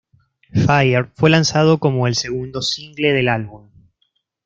Fire fue lanzado como el segundo single del álbum.